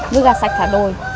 ngư gà sạch thả đồi